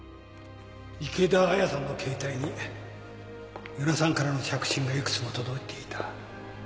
池田亜矢さんの携帯に与那さんからの着信が幾つも届いていた。